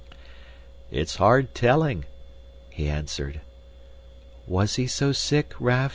"It's hard telling," he answered. "Was he so sick, Raff?"